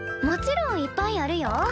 もちろんいっぱいあるよ。